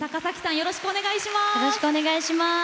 よろしくお願いします。